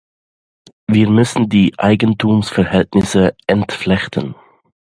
Wir müssen die Eigentumsverhältnisse entflechten.